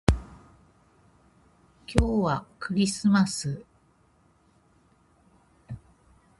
今日はクリスマス